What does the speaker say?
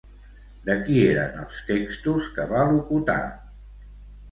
De qui eren els textos que va locutar?